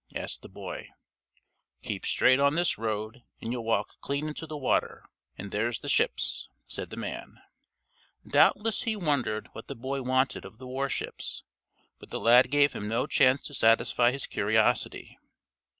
asked the boy. "Keep straight on this road and you'll walk clean into the water, and there's the ships," said the man. Doubtless he wondered what the boy wanted of the war ships, but the lad gave him no chance to satisfy his curiosity.